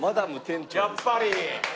やっぱり！